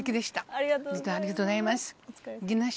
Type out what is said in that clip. ありがとうございます。